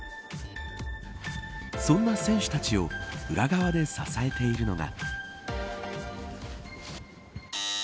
そんな選手たちを裏側で支えているのは。